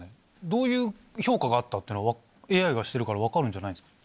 どういう評価があったっていうのＡＩがしてるから分かるんじゃないんですか？